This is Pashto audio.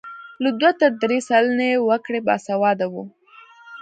له دوه تر درې سلنې وګړي باسواده وو.